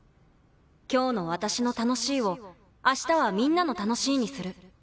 今日の私の「楽しい」を明日はみんなの「楽しい」にする。